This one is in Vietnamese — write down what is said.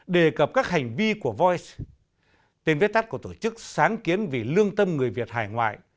đề cập các hành vi của voi tên viết tắt của tổ chức sáng kiến vì lương tâm người việt hải ngoại